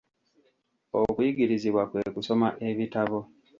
Okuyigirizibwa kwe kusoma ebitabo.